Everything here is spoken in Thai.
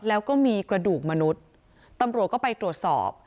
แล้วก็มีกระดูกมนุษย์ตำรวจก็ไปตรวจสอบ